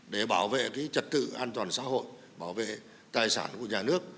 để bảo vệ trật tự an toàn xã hội bảo vệ tài sản của nhà nước